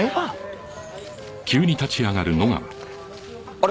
あれ？